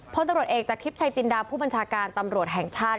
พลตำรวจเอกจากทริปชัยจินดาผู้บัญชาการตำรวจแห่งชาติ